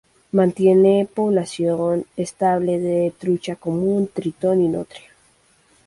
Mantiene población estable de trucha común, tritón y nutria.